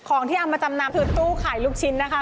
ที่เอามาจำนำคือตู้ขายลูกชิ้นนะคะ